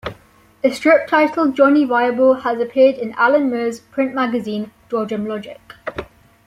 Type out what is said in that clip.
A strip titled "Johnny Viable" has appeared in Alan Moore's print magazine "Dodgem Logic".